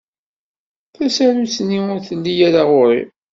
Tasarut-nni ur telli ara ɣer-i.